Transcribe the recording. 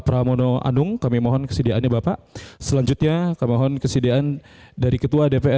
pramono anung kami mohon kesediaannya bapak selanjutnya kemohon kesediaan dari ketua dpr